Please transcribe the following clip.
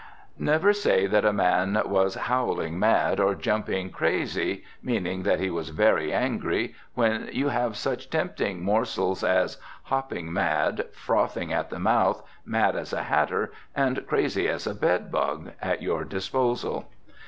Never say that a man was "howling mad" or "jumping crazy," meaning that he was very angry, when you have such tempting morsels as "hopping mad," "frothing at the mouth," "mad as a hatter," and "crazy as a bedbug" at your disposal.